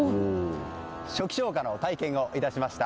初期消火の体験をいたしました。